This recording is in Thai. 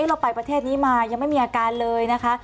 เราไปประเทศนี้มายังไม่มีอาการเลยนะคะ